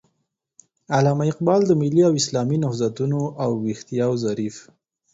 علامه اقبال د ملي او اسلامي نهضتونو او ويښتياو ظريف